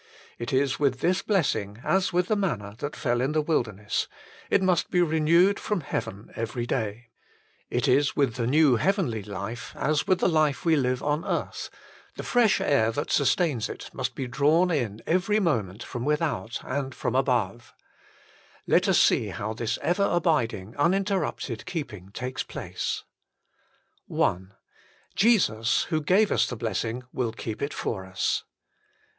It is with this blessing as with the manria that fell in the wilderness: it must be renewed from heaven every day. It is with the new heavenly life as with the life we live on earth : the fresh air that sustains it must be drawn in every moment from without and from 1 2 Tim. i. 12, 14. 2 Jude 21, 24. 94 THE FULL BLESSING OF PENTECOST above. Let us see how this ever abiding, unin terrupted keeping takes place. I Jesus, wlio gave us the blessing, will keep it for us.